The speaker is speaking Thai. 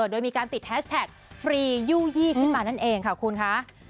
โดยมีการติดแฮชแท็กฟรียู่ยี่ขึ้นมานั่นเองค่ะคุณคะ